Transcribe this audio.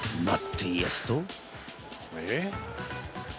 ［待っていやすと］